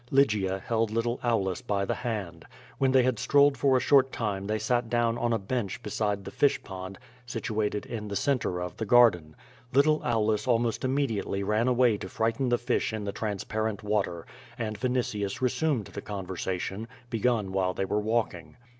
Lygia held little Aulus by the hand. When they had strolled for a short time they sat down on a bench beside the fish pond situated in the centre of the garden. Little Aulus almost immediately ran away to frighten the fish in the transparent water, and Vinitius resumed the conversation, begun while they were walking.